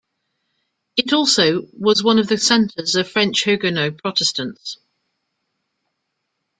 It also was one of the centers of French Huguenots, Protestants.